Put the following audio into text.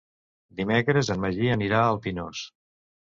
Dimecres en Magí anirà al Pinós.